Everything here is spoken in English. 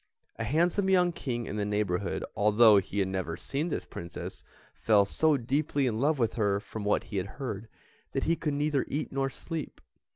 A handsome young King in the neighbourhood, although he had never seen this Princess, fell so deeply in love with her from what he had heard, that he could neither eat nor sleep.